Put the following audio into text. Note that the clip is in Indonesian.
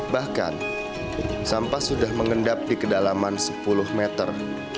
bahkan sampah sudah mengendap di kedalaman sepuluh meter